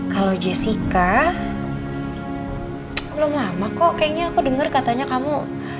kalau jessica belum lama kok kayaknya aku dengar katanya kamu